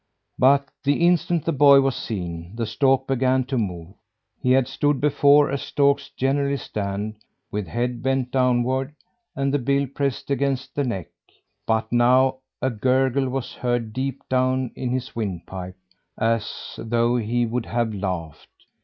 But the instant the boy was seen, the stork began to move. He had stood before, as storks generally stand, with head bent downward and the bill pressed against the neck. But now a gurgle was heard deep down in his windpipe; as though he would have laughed.